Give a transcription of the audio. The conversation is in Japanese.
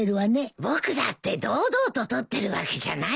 僕だって堂々と取ってるわけじゃないよ。